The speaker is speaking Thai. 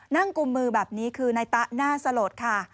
นั่งกุมมือแบบนี้คือในตาน่าสะลดค่ะ